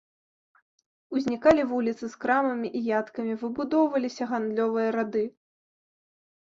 Узнікалі вуліцы з крамамі і яткамі, выбудоўваліся гандлёвыя рады.